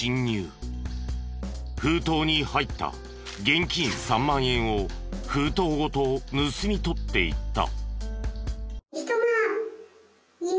封筒に入った現金３万円を封筒ごと盗み取っていった。